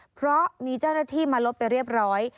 เพราะมีเจ้าหน้าที่มาลบไปเรียบร้อย